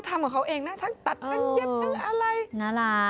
ทั้งตัดทั้งเย็บทั้งอะไร